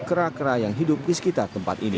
kerak kerak yang hidup di sekitar tempat ini